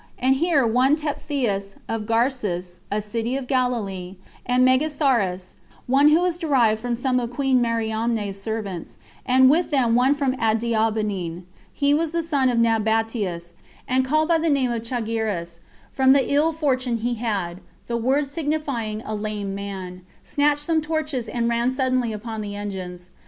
And here one Tephtheus, of Garsis, a city of Galilee, and Megassarus, one who was derived from some of queen Mariamne's servants, and with them one from Adiabene, he was the son of Nabateus, and called by the name of Chagiras, from the ill fortune he had, the word signifying "a lame man," snatched some torches, and ran suddenly upon the engines.